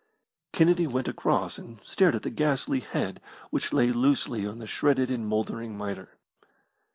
Kennedy went across, and stared at the ghastly head which lay loosely on the shredded and mouldering mitre.